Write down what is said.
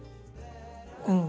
うん。